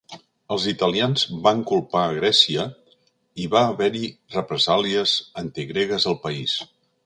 Els italians van culpar a Grècia i va haver-hi represàlies antigregues al país.